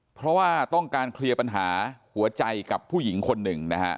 เพราะว่าต้องการเคลียร์ปัญหาหัวใจกับผู้หญิงคนหนึ่งนะฮะ